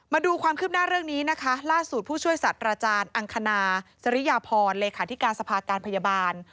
มาดูความคืบหน้าเรื่องนี้นะคะล่าสุดผู้ช่วยสัตว์อาจารย์อังคณาสริยพรเลขาธิการสภาการพยาบาล